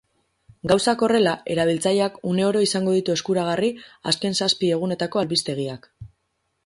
Gauzak horrela, erabiltzeak une oro izango ditu eskuragarri azken zazpi egunetako albistegiak.